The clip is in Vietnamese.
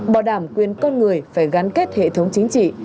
bảo đảm quyền con người phải gắn kết hệ thống chính trị